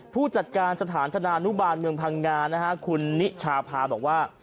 ผู้จัดการสถานธนานุบาลเมืองพังงานะฮะคุณนิชาพาบอกว่า